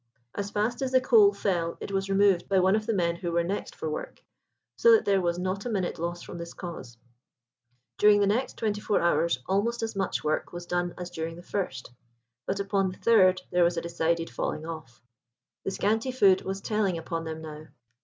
As fast as the coal fell it was removed by one of the men who were next for work, so that there was not a minute lost from this cause. During the next twenty four hours almost as much work was done as during the first; but upon the third there was a decided falling off. The scanty food was telling upon them now.